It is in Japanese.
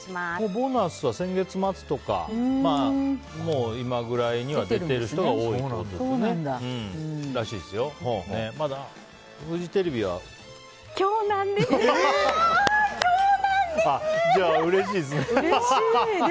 ボーナスは先月末とか今ぐらいには出ている人が多いってことですよね。